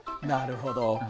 なるほど。